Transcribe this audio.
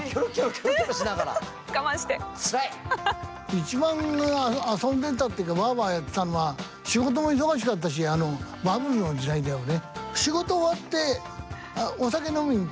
一番遊んでたっていうかワーワーやってたのは仕事も忙しかったしバブルの時代だよね。